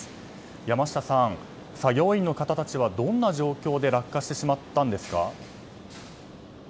山下さん、作業員の方たちはどんな状況で落下してしまったんですか？